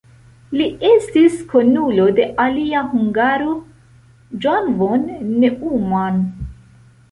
Li estis kunulo de alia hungaro John von Neumann.